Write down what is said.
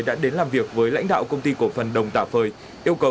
yêu cầu công ty khẩn trương khắc phục sự cố